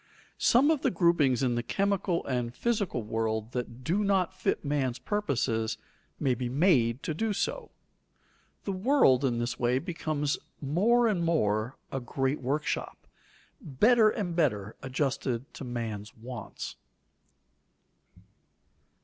Some of the groupings in the chemical and physical world that do not fit man's purposes may be made to do so. The world in this way becomes more and more a great workshop, better and better adjusted to man's wants.